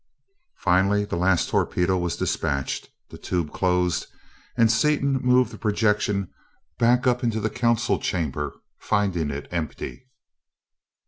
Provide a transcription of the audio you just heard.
Finally the last torpedo was dispatched, the tube closed, and Seaton moved the projection back up into the council chamber, finding it empty.